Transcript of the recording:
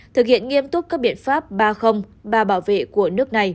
thực hiện nghiêm túc các biện pháp ba ba bảo vệ của nước này